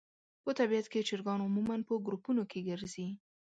په طبیعت کې چرګان عموماً په ګروپونو کې ګرځي.